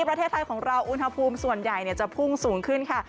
ประเทศไทยของเราอุณหภูมิส่วนใหญ่จะพุ่งสูงขึ้นค่ะ